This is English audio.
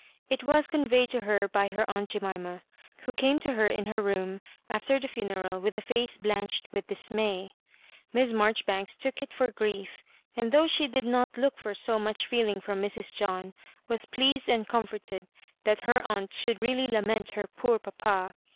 It was con veyed to her by aunt Jemima, who came to her in her room after the funeral with a face blanch ed with dismay. Miss Marjoribanks took it foi grief; and, though she did' not look for so much feeling from Mrs. John, was pleased and comfort ed that her aunt should really lament her poor papa.